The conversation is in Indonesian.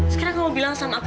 sekarang kamu bilang sama aku